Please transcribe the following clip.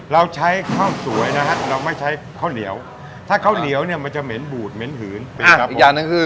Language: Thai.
เราใช้ข้าวสวยนะฮะเราไม่ใช้ข้าวเหนียวถ้าข้าวเหนียวเนี่ยมันจะเหม็นบูดเหม็นหืนอีกอย่างหนึ่งคือ